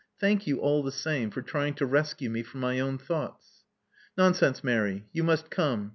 Thank you, all the same, for trying to rescue me from my own thoughts." Nonsense, Mary. You must come.